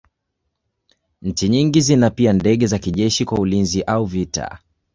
Nchi nyingi zina pia ndege za kijeshi kwa ulinzi au vita.